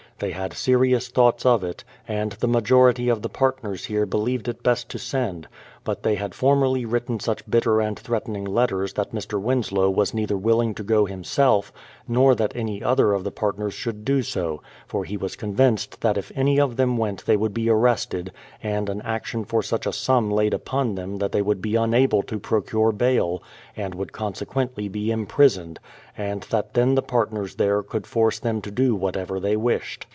They had serious thoughts of it, and the majority of the partners here believed it best to send; but they had formerly written such bitter and threatening letters that Mr. Winslow was neither willing to go himself, nor that any other of the partners should do so ; for he was convinced that if any of them went they would be arrested, and an action for such a sum laid upon them that they would be unable to procure bail, and would consequently be im prisoned, and that then the partners there could force them to do whatever they wished.